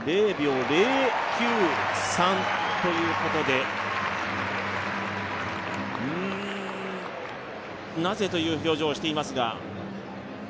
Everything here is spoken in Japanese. ０秒０９３ということでなぜ？という表情をしていますが。